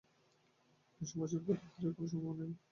মেসোমশায়, প্রতিকারের আর কোনো সম্ভাবনা নেই।